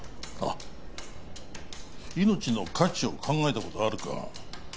あ命の価値を考えたことあるか？